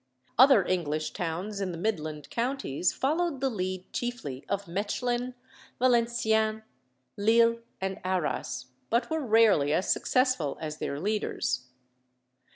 Other English towns in the Midland counties followed the lead chiefly of Mechlin, Valenciennes, Lille, and Arras, but were rarely as successful as their leaders.